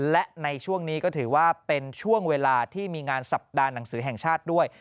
และในช่วงนี้ก็ถือว่าเป็นช่วงเวลาที่มีงานสัปดาห์หนังสือแห่งชาติด้วย